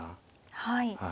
はい。